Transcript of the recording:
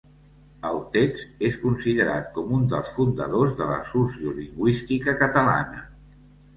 El text és considerat com un dels fundadors de la sociolingüística catalana.